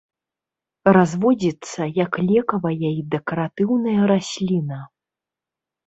Разводзіцца як лекавая і дэкаратыўная расліна.